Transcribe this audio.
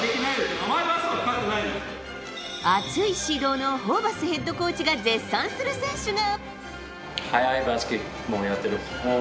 熱い指導のホーバスヘッドコーチが絶賛する選手が。